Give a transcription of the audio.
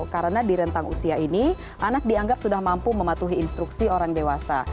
karena di rentang usia ini anak dianggap sudah mampu mematuhi instruksi orang dewasa